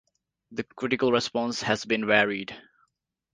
The critical response has been varied.